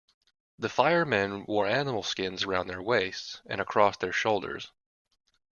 The Fire-Men wore animal skins around their waists and across their shoulders.